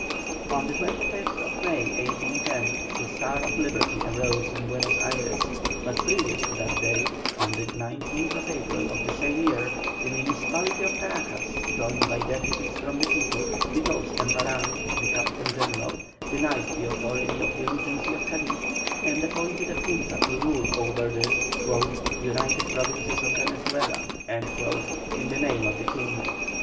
On the 25th May, 1810, the star of liberty arose in Buenos Ayres, but previous to that date, on the 19th April of the same year, the municipality of Caracas, joined by deputies from the people, deposed Emparán, the Captain General, denied the authority of the Regency of Cadiz, and appointed a Junta to rule over the "United Provinces of Venezuela," in the name of the King.